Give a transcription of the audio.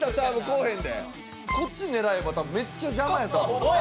こっち狙えば多分めっちゃ邪魔やと思う。